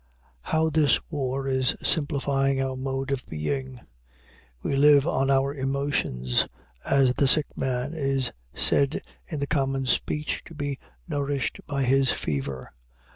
How this war is simplifying our mode of being! We live on our emotions, as the sick man is said in the common speech to be nourished by his fever.